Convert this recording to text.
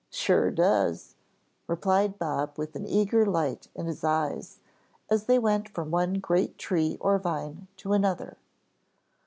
"Sure does," replied Bob with an eager light in his eyes as they went from one great tree or vine to another.